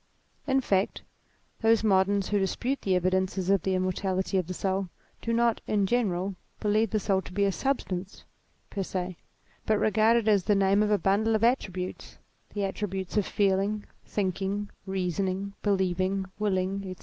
In fact, those moderns who dispute the evidences of the immortality of the soul, do not, in general, believe the soul to be a substance per se, but regard it as the name of a bundle of attributes, the attributes of feel ing, thinking, reasoning, believing, willing, &c.